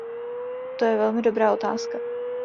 To je velmi dobrá otázka.